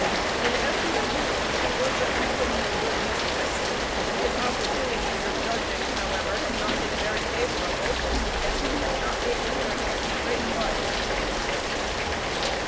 In Evan's opinion she was a tolerable good mistress; his opportunities of judging, however, had not been very favorable, as he had not been in her hands a great while.